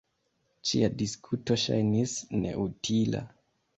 Ĉia diskuto ŝajnis neutila.